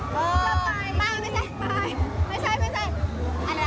ไปไม่ใช่